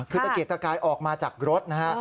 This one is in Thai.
คือเจกตะแก้ออกมาจากรถ